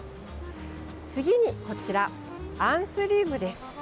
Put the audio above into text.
次にこちら、アンスリウムです。